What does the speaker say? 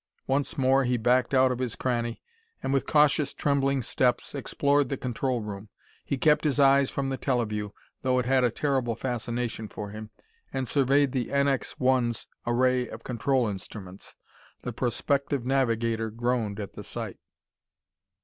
Once more he backed out of his cranny, and with cautious, trembling steps explored the control room. He kept his eyes from the teleview, though it had a terrible fascination for him, and surveyed the NX 1's array of control instruments. The prospective navigator groaned at the sight.